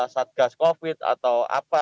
satgas covid atau apa